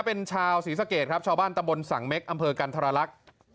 เป็นชาวศรีสะเกดครับชาวบ้านตะบนสังเม็กอำเภอกันธรรลักษณ์